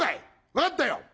分かったよ！